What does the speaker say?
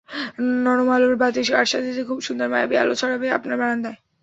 নরম আলোর বাতির কারসাজিতে খুব সুন্দর মায়াবী আলো ছড়াবে আপনার বারান্দায়।